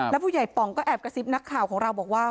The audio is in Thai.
แล้วผู้ใหญ่ป๋องก็แอบกระซิบนักข่าวของเราบอกว่า